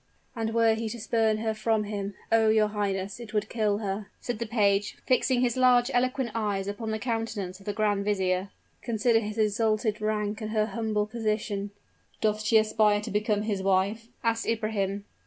"And were he to spurn her from him oh! your highness, it would kill her!" said the page, fixing his large, eloquent eyes upon the countenance of the grand vizier. "Consider his exalted rank and her humble position " "Doth she aspire to become his wife?" asked Ibrahim.